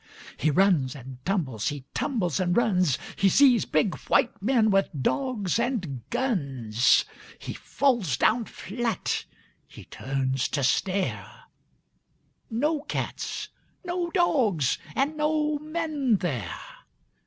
He runs and tumbles, he tumbles and runs. He sees big white men with dogs and guns. He falls down flat. H)e turns to stare — No cats, no dogs, and no men there.